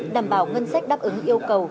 đảm bảo ngân sách đáp ứng yêu cầu